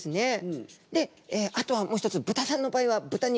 であとはもう一つ豚さんの場合は豚肉。